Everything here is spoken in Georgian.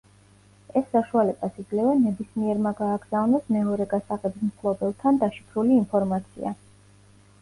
ეს საშუალებას იძლევა ნებისმიერმა გააგზავნოს მეორე გასაღების მფლობელთან დაშიფრული ინფორმაცია.